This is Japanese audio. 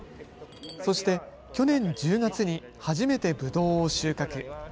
そして、去年１０月に初めてぶどうを収穫。